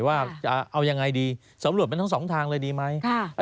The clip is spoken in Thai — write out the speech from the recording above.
ว่าจะเอายังไงดีสำรวจเป็นทั้งสองทางเลยดีไหม